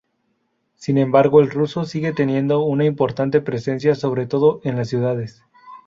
Sin embargo el ruso sigue teniendo una importante presencia, sobre todo en las ciudades.